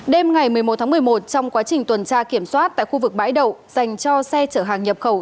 đêm ngày một mươi một tháng một mươi một trong quá trình tuần tra kiểm soát tại khu vực bãi đậu dành cho xe chở hàng nhập khẩu